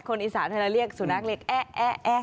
คนอีสานเรียกสุนักเล็กแอ๊ะแอ๊ะแอ๊ะ